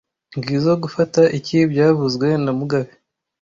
Ngizoe gufata iki byavuzwe na mugabe